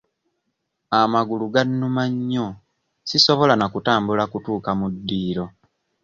Amagulu gannuma nnyo sisobola na kutambula kutuuka mu ddiiro.